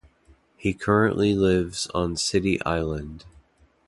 He currently lives on City Island.